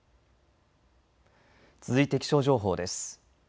続いて気象情報です。